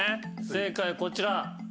正解こちら。